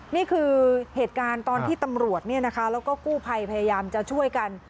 นี่คือเหตุการณ์ตอนที่ตำรวจแล้วก็กู้ภัยพยายามจะช่วยกัน